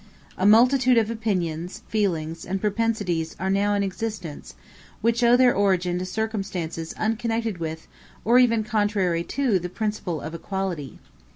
A multitude of opinions, feelings, and propensities are now in existence, which owe their origin to circumstances unconnected with or even contrary to the principle of equality.